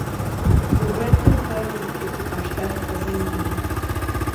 У гэтым баі экіпаж танка загінуў.